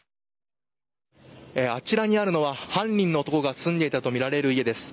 あちらにあるのは犯人の男が住んでいたとみられる家です。